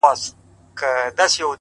• سترګي سرې غټه سینه ببر برېتونه,